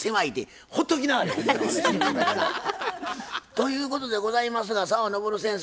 ということでございますが澤登先生